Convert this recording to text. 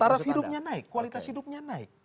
taraf hidupnya naik kualitas hidupnya naik